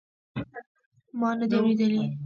ما ندي اورېدلي.